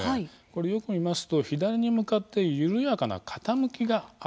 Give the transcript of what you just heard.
これよく見ますと左に向かって緩やかな傾きがあるんですね。